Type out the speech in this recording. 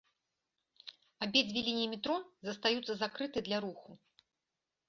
Абедзве лініі метро застаюцца закрытай для руху.